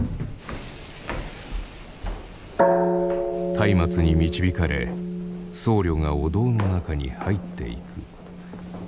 松明に導かれ僧侶がお堂の中に入っていく。